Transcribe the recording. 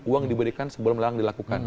uang yang diberikan sebelum lalang dilakukan